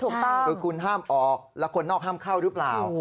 ถูกต้องคือคุณห้ามออกแล้วคนนอกห้ามเข้าหรือเปล่า